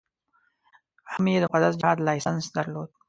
هم یې د مقدس جهاد لایسنس درلود.